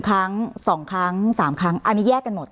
ครั้ง๒ครั้ง๓ครั้งอันนี้แยกกันหมด